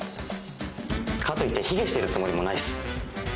かといって卑下してるつもりもないっす。